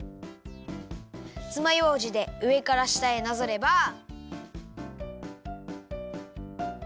つまようじでうえからしたへなぞれば。